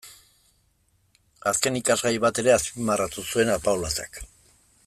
Azken ikasgai bat ere azpimarratu zuen Apaolazak.